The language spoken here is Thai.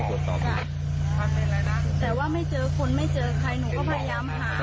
ใช่แต่ว่าไม่เจอคนไม่เจอใครหนูก็พยายามหา